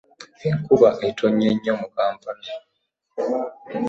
Enkuba etonnye nnyo mu Kampala.